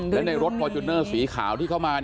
และในรถฟอร์จูเนอร์สีขาวที่เข้ามา